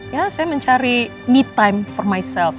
ya saya mencari me time for myself